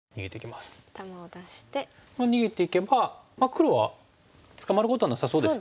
逃げていけば黒は捕まることはなさそうですね。